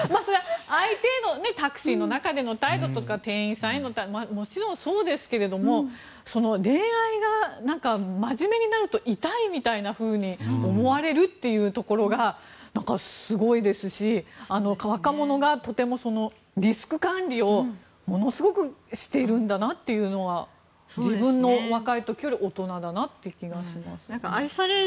相手のタクシーの中での態度とか店員さんへのももちろんそうですけれども恋愛が真面目になると痛いみたいなふうに思われるというところがすごいですし若者がとてもリスク管理をものすごくしているんだなというのが自分の若い時より大人だなっていう気がしますね。